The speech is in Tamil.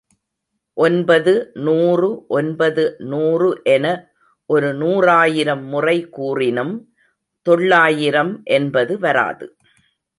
ஒன்பது நூறு ஒன்பது நூறு என ஒரு நூறாயிரம் முறை கூறினும் தொள்ளாயிரம் என்பது வராது.